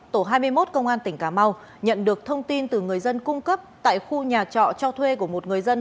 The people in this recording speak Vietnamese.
tổ hai mươi một công an tỉnh cà mau nhận được thông tin từ người dân cung cấp tại khu nhà trọ cho thuê của một người dân